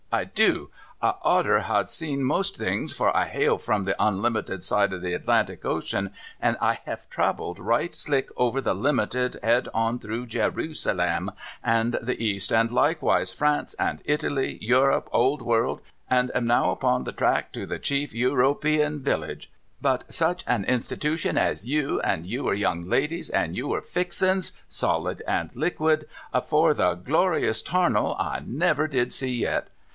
I Dev,% I oughter ha' seen most things, for I hail from the Onlimited side of the Atlantic Ocean, and I haive travelled right slick over the Limited, head on through Jeerusalemm and the East, and likeways France and Italy, Europe Old World, and am now upon the track to the Chief Europian Village ; but such an Institution as Yew, and Yewer young ladies, and Yewer fixin's solid and liquid, afore the glorious Tarnal I never did see yet